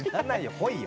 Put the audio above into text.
来いよ！